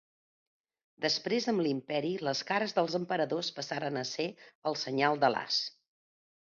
Després amb l'imperi les cares dels emperadors passaren a ser el senyal de l'as.